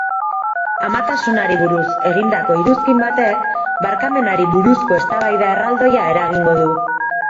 Amatasunari buruz egindako iruzkin batek barkamenari buruzko eztabaida erraldoia eragingo du.